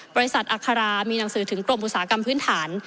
อัครามีหนังสือถึงกรมอุตสาหกรรมพื้นฐาน